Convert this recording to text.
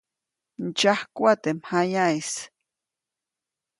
Ndsyajkuʼa teʼ mjayaʼis.